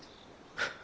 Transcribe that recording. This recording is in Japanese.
フッ。